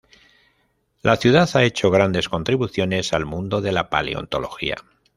La ciudad ha hecho grandes contribuciones al mundo de la paleontología.